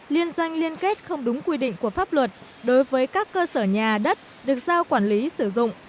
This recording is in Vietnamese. liên doanh liên kết không đúng quy định của pháp luật đối với các cơ sở nhà đất được giao quản lý sử dụng